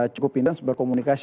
cukup indah sebab komunikasi